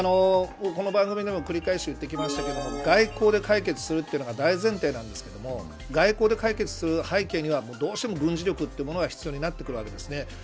この番組でも繰り返し言ってきましたけど外交で解決するのが大前提でなんですけど外交で解決する背景にはどうしても軍事力が必要になってくるわけです。